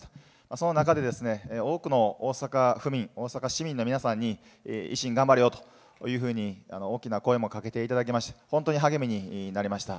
その中で、多くの大阪府民、大阪市民の皆さんに、維新、頑張れよというふうに、大きな声もかけていただきまして、本当に励みになりました。